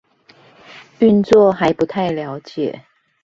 運作還不太了解